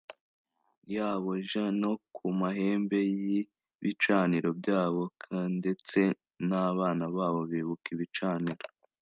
yabo j no ku mahembe y ibicaniro byabo k Ndetse n abana babo bibuka ibicaniro